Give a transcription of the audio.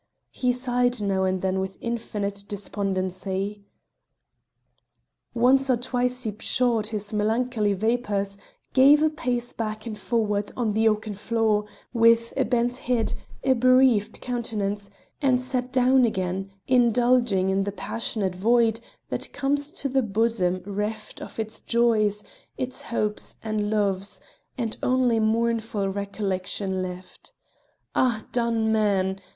He sighed now and then with infinite despondency. Once or twice he pshawed his melancholy vapours, gave a pace back and forward on the oaken floor, with a bent head, a bereaved countenance, and sat down again, indulging in the passionate void that comes to a bosom reft of its joys, its hopes and loves, and only mournful recollection left. A done man!